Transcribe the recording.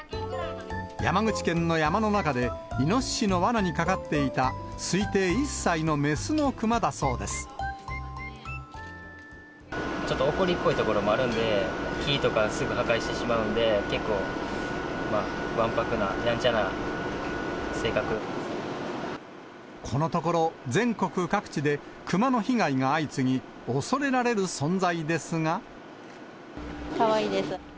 山口県の山の中で、イノシシのわなにかかっていた、ちょっと怒りっぽいところもあるんで、木とか、すぐ破壊してしまうんで、結構わんぱくな、このところ、全国各地でクマの被害が相次ぎ、かわいいです。